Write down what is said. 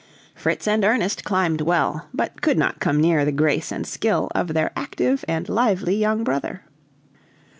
Fritz and Ernest climbed well, but could not come near the grace and skill of their active and lively young brother.